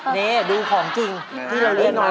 นี่ดูของจริงที่เราเรียกมา